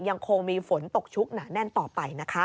ยังคงมีฝนตกชุกหนาแน่นต่อไปนะคะ